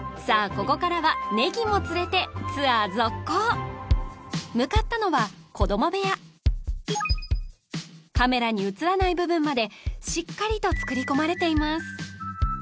ここからはネギも連れてツアー続行向かったのは子ども部屋カメラに映らない部分までしっかりと作り込まれています